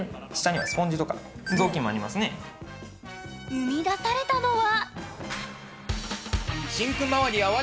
生み出されたのは。